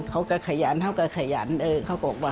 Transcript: เขาก็ขยันเขาก็โบร์กว่า